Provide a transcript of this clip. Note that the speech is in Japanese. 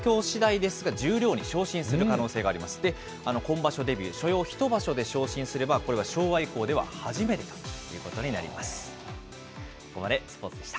で、今場所デビュー、所要１場所で昇進すれば、これは昭和以降では初めてということになります。